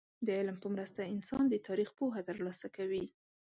د علم په مرسته انسان د تاريخ پوهه ترلاسه کوي.